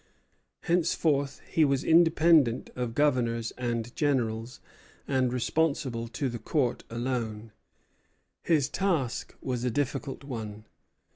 Henceforth he was independent of governors and generals, and responsible to the Court alone. His task was a difficult one.